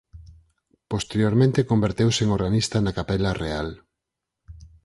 Posteriormente converteuse en organista na Capela Real.